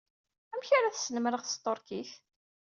Amek ara t-snemmreɣ s tṭerkit?